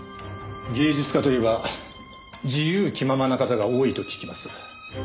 芸術家といえば自由気ままな方が多いと聞きます。